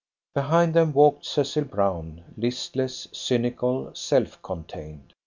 Behind them walked Cecil Brown, listless, cynical, self contained.